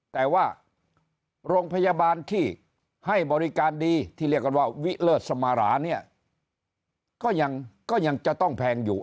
แต่ว่าโรงพยาบาลที่ให้บริการดีที่เรียกกันว่าวิเลิศสมาราเนี่ยก็ยังจะต้องแพงอยู่